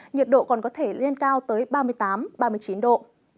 nhiệt độ còn có thể lên cao tới ba mươi tám ba mươi chín độ